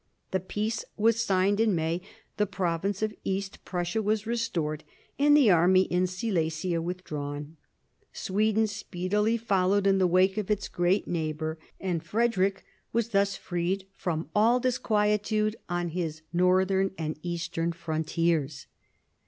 The peace was signed in May, the province of East Prussia was restored, and the army in Silesia withdrawn. Sweden speedily followed in the wake of its great neigh 1760 63 THE SEVEN YEARS' WAR 179 bour ; and Frederick was thus freed from all disquietude on his northern and eastern frontiers.